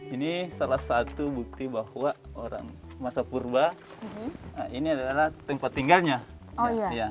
ini salah satu bukti bahwa manusia prasejarah pernah tinggal di kawasan kars raja